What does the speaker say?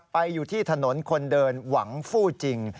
อยู่ที่ถนนคนเดินหวังฟู้จริง